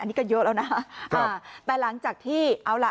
อันนี้ก็เยอะแล้วนะครับครับแต่หลังจากที่เอาล่ะ